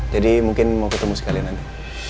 jadi mungkin mau ketemu sekali nanti